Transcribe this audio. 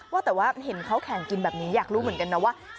ว่าแต่ว่าเห็นเขาแข่งกินแบบนี้อยากรู้เหมือนกันนะว่า